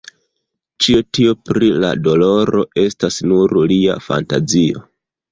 Ĉio tio pri la doloro estas nur lia fantazio.